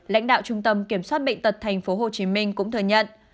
lãnh đạo trung tâm kiểm soát bệnh tật tp hcm cũng thừa nhận